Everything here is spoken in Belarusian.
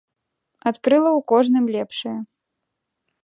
Адкрыла ў кожным лепшае.